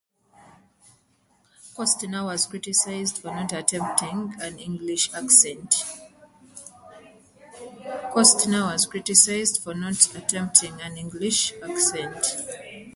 Costner was criticised for not attempting an English accent.